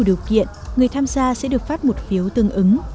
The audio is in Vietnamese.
điều kiện người tham gia sẽ được phát một phiếu tương ứng